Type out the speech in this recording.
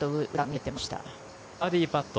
バーディーパット。